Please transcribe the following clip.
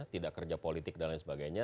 tidak kerja politik dan lain sebagainya